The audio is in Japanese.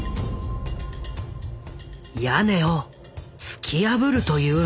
屋根を突き破るというのだ。